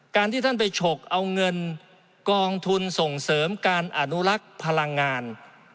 ที่ท่านไปฉกเอาเงินกองทุนส่งเสริมการอนุรักษ์พลังงาน